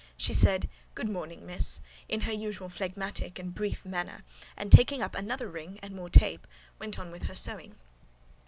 She said "Good morning, Miss," in her usual phlegmatic and brief manner; and taking up another ring and more tape, went on with her sewing.